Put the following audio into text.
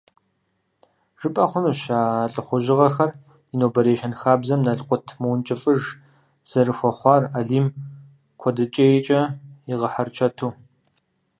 ЖыпӀэ хъунущ а лӀыхъужьыгъэхэр ди нобэрей щэнхабзэм налкъут мыункӀыфӀыж зэрыхуэхъуар Алим куэдыкӀейкӀэ игъэхьэрычэту.